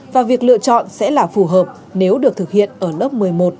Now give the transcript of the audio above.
và việc lựa chọn sẽ là phù hợp nếu được thực hiện ở lớp một mươi một